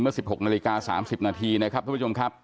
๑๖นาฬิกา๓๐นาทีนะครับทุกผู้ชมครับ